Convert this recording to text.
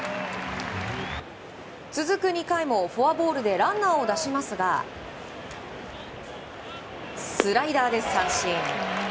続く２回も、フォアボールでランナーを出しますがスライダーで三振。